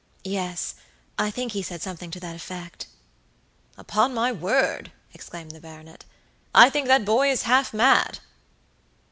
"Yes; I think he said something to that effect." "Upon my word," exclaimed the baronet, "I think that boy is half mad."